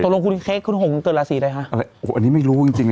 ตรงคุณเค้กคุณหงเตือนราศีอะไรคะอันนี้ไม่รู้จริงเลย